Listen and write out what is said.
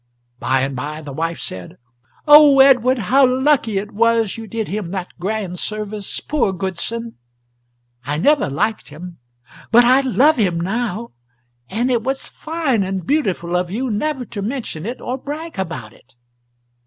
By and by the wife said: "Oh, Edward, how lucky it was you did him that grand service, poor Goodson! I never liked him, but I love him now. And it was fine and beautiful of you never to mention it or brag about it."